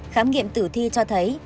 khám nghiệm tử thi cho thấy